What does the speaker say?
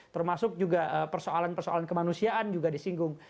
termasuk juga persoalan persoalan kemanusiaan juga disinggung